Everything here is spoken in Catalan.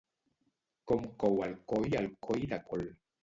Com cou al coll el coi de col